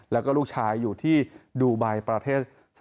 แล้วก็ลูกชายอยู่ที่ดูไบ